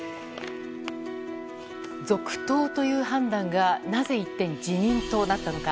続投という判断がなぜ一転、辞任となったのか。